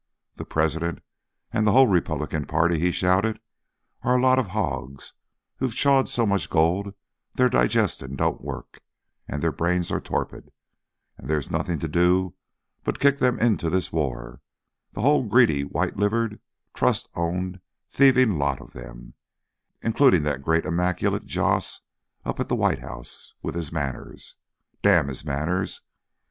The President and the whole Republican party," he shouted, "are a lot of hogs who've chawed so much gold their digestion won't work and their brains are torpid; and there's nothing to do but to kick them into this war the whole greedy, white livered, Trust owned, thieving lot of them, including that great immaculate Joss up at the White House with his manners. Damn his manners!